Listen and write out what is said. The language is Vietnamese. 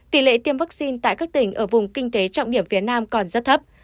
tỷ lệ tiêm vaccine tại các tỉnh ở vùng kinh tế trọng điểm phía nam còn rất thấp